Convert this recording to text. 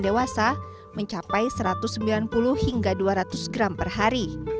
dewasa mencapai satu ratus sembilan puluh hingga dua ratus gram per hari